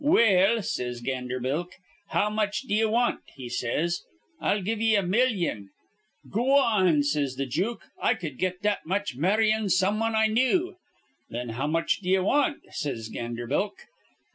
'Well,' says Ganderbilk, 'how much d'ye want?' he says. 'I'll give ye a millyon.' 'Goowan,' says th' jook, 'I cud get that much marryin' somewan I knew.' 'Thin how much d'ye want?' says Ganderbilk.